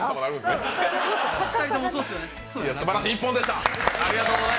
すばらしい一本でした。